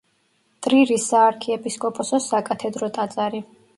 ტრირის საარქიეპისკოპოსოს საკათედრო ტაძარი.